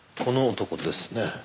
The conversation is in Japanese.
この男ですね。